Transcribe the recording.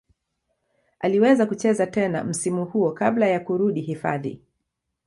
Aliweza kucheza tena msimu huo kabla ya kurudi hifadhi.